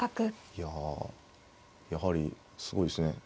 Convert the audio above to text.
いややはりすごいですね。